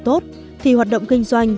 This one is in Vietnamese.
tốt thì hoạt động kinh doanh